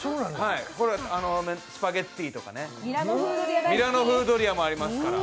スパゲッティーとかね、ミラノ風ドリアもありますから。